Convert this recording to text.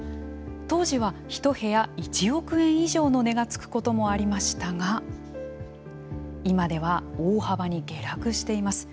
当時は１部屋１億円以上の値がつくこともありましたが今では大幅に下落しています。